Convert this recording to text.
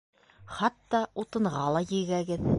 Хатта утынға ла егәгеҙ!